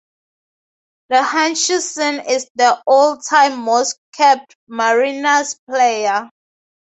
Hutchinson is the all-time most capped Mariners player.